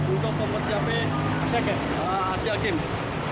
untuk mempersiapkan asean games